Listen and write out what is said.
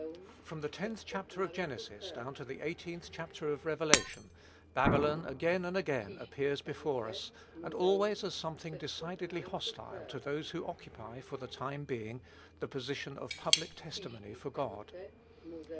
From the tenth chapter of Genesis, down to the eighteenth chapter of Revelation, Babylon, again and again, appears before us, and always as something decidedly hostile to those who occupy, for the time being, the position of public testimony for God.